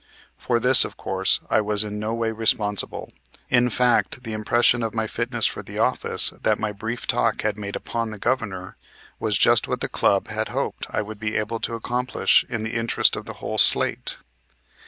For this, of course, I was in no way responsible. In fact the impression of my fitness for the office that my brief talk had made upon the Governor was just what the club had hoped I would be able to accomplish in the interest of the whole slate.